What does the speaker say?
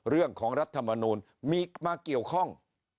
เรื่องของรัฐมนูลมีมาเกี่ยวข้อง